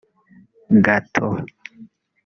gateaux